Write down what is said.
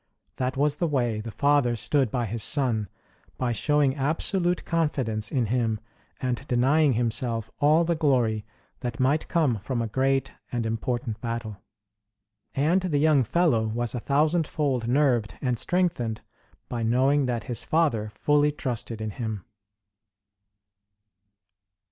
That was the way the father stood by his son by showing absolute confidence in him, and denying himself all the glory that might come from a great and important battle. And the young fellow was a thousandfold nerved and strengthened by knowing that his father fully trusted in him.